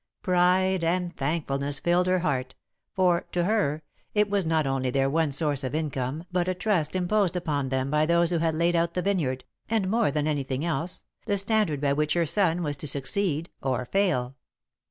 Pride and thankfulness filled her heart, for, to her, it was not only their one source of income but a trust imposed upon them by those who had laid out the vineyard, and, more than all else, the standard by which her son was to succeed or fail.